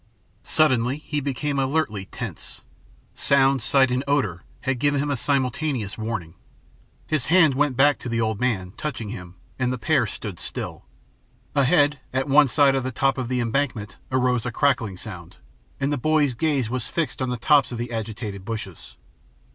Suddenly he became alertly tense. Sound, sight, and odor had given him a simultaneous warning. His hand went back to the old man, touching him, and the pair stood still. Ahead, at one side of the top of the embankment, arose a crackling sound, and the boy's gaze was fixed on the tops of the agitated bushes.